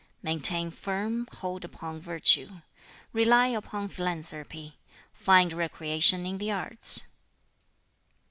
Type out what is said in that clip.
"Maintain firm hold upon Virtue. "Rely upon Philanthropy. "Find recreation in the Arts.